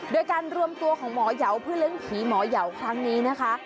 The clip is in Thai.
โดยการรวมตัวของหมอยาวเพื่อเลี้ยงผีหมอยาวครั้งนี้นะคะ